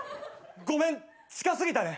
ごめん近過ぎたね。